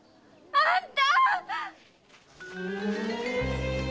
あんた！